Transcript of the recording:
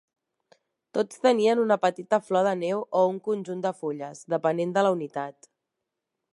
Tots tenien una petita flor de neu o un conjunt de fulles, depenent de la unitat.